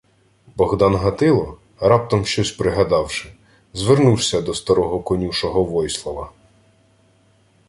Богдан Гатило, раптом щось пригадавши, звернувся до старого конюшого Войслава: